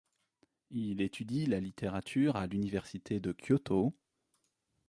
Il étudie la littérature à l'université de Kyoto.